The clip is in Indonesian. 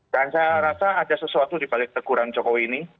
dan saya rasa ada sesuatu dibalik teguran jokowi ini